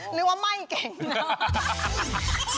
หรือว่าไหม้เก่งนะ